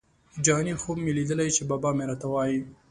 جهاني خوب مي لیدلی چي بابا مي راته وايی